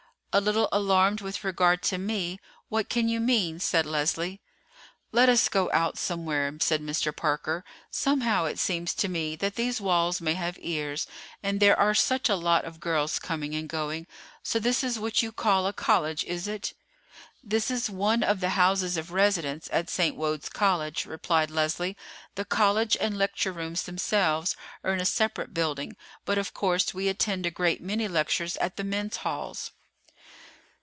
"A little alarmed with regard to me! What can you mean?" said Leslie. "Let us go out somewhere," said Mr. Parker. "Somehow it seems to me that these walls may have ears, and there are such a lot of girls coming and going. So this is what you call a college, is it?" "This is one of the houses of residence at St. Wode's College," replied Leslie. "The college and lecture rooms themselves are in a separate building; but of course we attend a great many lectures at the men's halls."